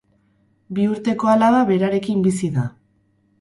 Bi urteko alaba berarekin bizi da.